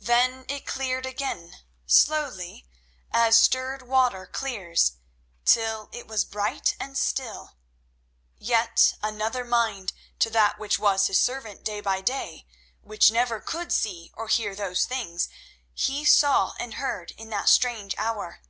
Then it cleared again, slowly, as stirred water clears, till it was bright and still; yet another mind to that which was his servant day by day which never could see or hear those things he saw and heard in that strange hour.